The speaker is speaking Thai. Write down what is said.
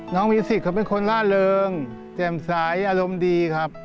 น้องมิวสิกเขาเป็นคนล่าเริงแจ่มสายอารมณ์ดีครับ